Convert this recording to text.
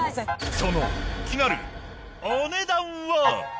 その気になるお値段は？